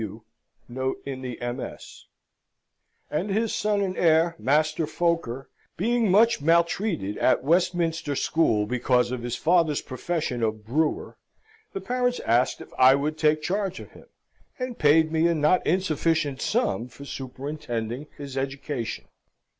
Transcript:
W. (Note in the MS.)]: and his son and heir, Master Foker, being much maltreated at Westminster School because of his father's profession of brewer, the parents asked if I would take charge of him; and paid me a not insufficient sum for superintending his education.